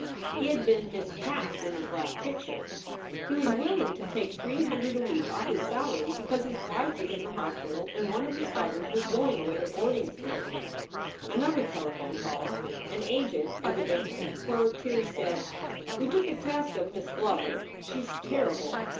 He had been miscast in his last picture. He was willing to 192 SOULS FOR SALE take three hundred a week off his salary because his wife was in the hospital and one of his daughters was going away to boarding school. Another telephone call an agent, evidently, for Tirrey said: " We took a test of Miss Glover. She s terrible!